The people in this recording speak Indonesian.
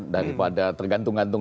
dari pada tergantung gantung